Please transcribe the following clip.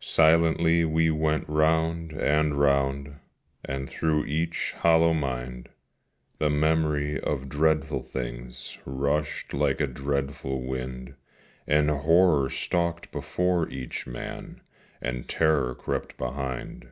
Silently we went round and round, And through each hollow mind The Memory of dreadful things Rushed like a dreadful wind, And Horror stalked before each man, And Terror crept behind.